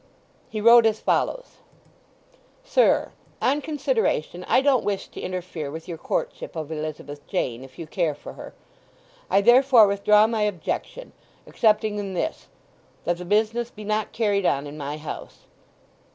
He wrote as follows:— Sir,—On consideration, I don't wish to interfere with your courtship of Elizabeth Jane, if you care for her. I therefore withdraw my objection; excepting in this—that the business be not carried on in my house.